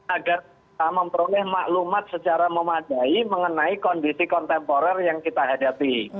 agar kita memperoleh maklumat secara memadai mengenai kondisi kontemporer yang kita hadapi